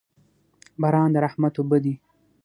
باران د رحمت اوبه دي